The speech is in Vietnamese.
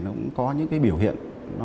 nó cũng có những cái biểu hiện